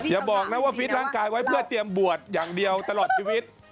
อย่าบอกนะว่าฟิตร่างกายไว้เพื่อเตรียมบวชอย่างเดียวตลอดชีวิต